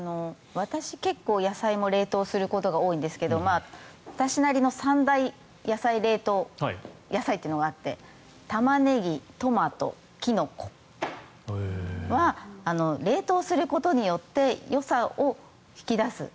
私、結構、野菜も冷凍することが多いんですが私なりの三大冷凍野菜っていうのがタマネギ、トマト、キノコは冷凍することによってよさを引き出す。